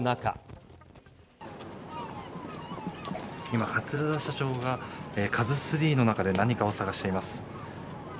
今、桂田社長がカズスリーの中で何かを探しています。